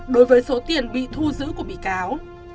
đối với số tiền bị thu giữ của bị cáo